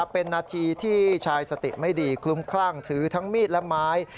เป็นนาทีที่ชายสติไม่ดีคลุ้มคลั่งถือทั้งมีดและไม้